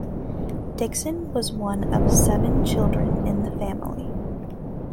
Dixon was one of seven children in the family.